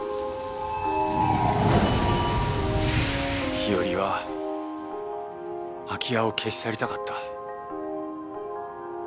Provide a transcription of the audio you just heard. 日和は空き家を消し去りたかった。